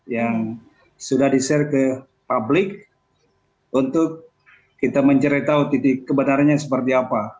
yang sudah di share ke publik untuk kita menceritahu titik kebenarannya seperti apa